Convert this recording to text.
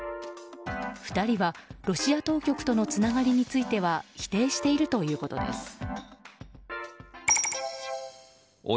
２人はロシア当局とのつながりについては否定しているということです。